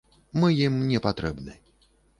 Мы ім не патрэбны.